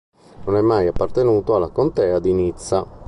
Non è mai appartenuto alla Contea di Nizza.